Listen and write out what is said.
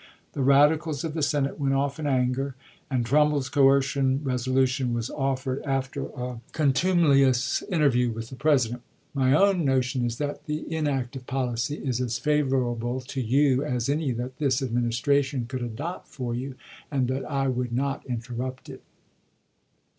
The radicals of the Senate went off in anger, and Trumbull's coercion resolution was offered after a 412 ABRAHAM LINCOLN ch. xxiv. contumelious interview with the President. My own no tion is that the inactive policy is as favorable to you as any that this Administration could adopt for you, and that I would not interrupt it.